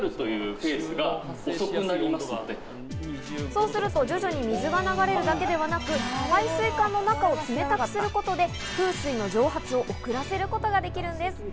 そうすると徐々に水が流れるだけではなく、排水管の中を冷たくすることで、封水の蒸発を遅らせることができるんです。